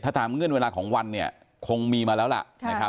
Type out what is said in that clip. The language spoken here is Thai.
ถ้าตามเงื่อนเวลาของวันเนี่ยคงมีมาแล้วล่ะนะครับ